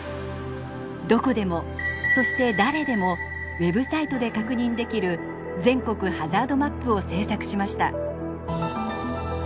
どこでもそして誰でもウェブサイトで確認できる全国ハザードマップを制作しました。